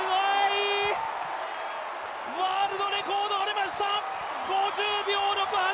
ワールドレコードが出ました、５０秒６８。